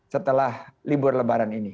setelah libur lebaran ini